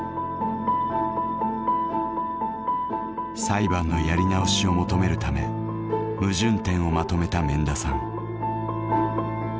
裁判のやり直しを求めるため矛盾点をまとめた免田さん。